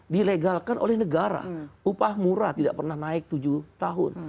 dilegalkan oleh negara upah murah tidak pernah naik tujuh tahun